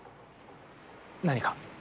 何か？